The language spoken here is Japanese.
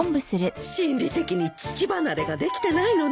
心理的に乳離れができてないのね。